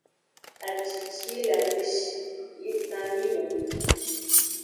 Aci ci yi le ame shi yi ʼdan yi wo wuno.